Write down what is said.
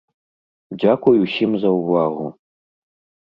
Дзякуй усім за ўвагу.